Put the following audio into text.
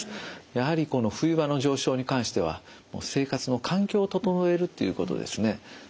やはりこの冬場の上昇に関しては生活の環境を整えるということですね。